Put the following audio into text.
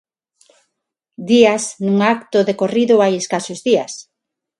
Díaz nun acto decorrido hai escasos días.